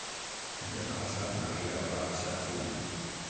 Demà passat na Lia va a Xarafull.